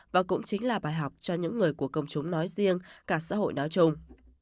và cũng chính là bài học cho những người của công chúng nói riêng cả xã hội nói chung